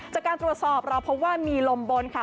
จากการตรวจสอบเราพบว่ามีลมบนค่ะ